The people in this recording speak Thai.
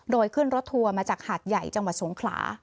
โดยขึ้นรถทัวร์มาจากหาดใหญ่จังหวัดสงขลา